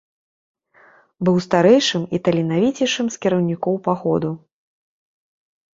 Быў старэйшым і таленавіцейшым з кіраўнікоў паходу.